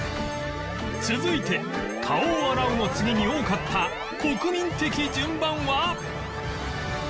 続いて「顔を洗う」の次に多かった国民的順番は？